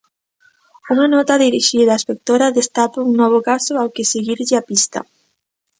Unha nota dirixida á inspectora destapa un novo caso ao que seguirlle a pista.